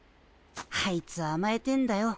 あいつあまえてんだよ。